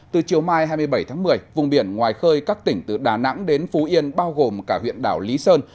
từ chiều mai hai mươi bảy tháng một mươi vùng biển ngoài khơi các tỉnh từ đà nẵng đến phú yên bao gồm cả huyện đảo lý sơn